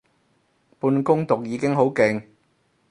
半工讀已經好勁